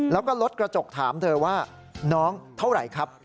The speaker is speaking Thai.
แล้วก็รถกระจกถามเธอว่าน้องเท่าไหร่ครับ